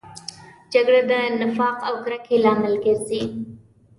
جګړه د نفاق او کرکې لامل ګرځي